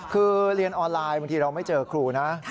คือเรียนออนไลน์บางทีเราไม่เจอครูนะ